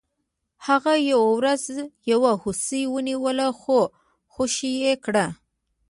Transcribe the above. هغه یوه ورځ یو هوسۍ ونیوله خو خوشې یې کړه.